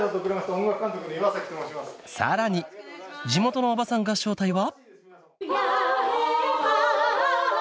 さらに地元のおばさん合唱隊は